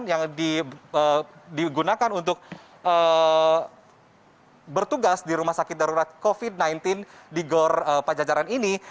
yang digunakan untuk bertugas di rumah sakit darurat covid sembilan belas di gor pajajaran ini